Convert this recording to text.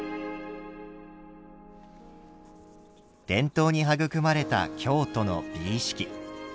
伝統に育まれた京都の美意識。